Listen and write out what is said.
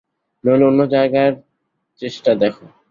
নইলে অন্য জায়গার চেষ্টা দেখ।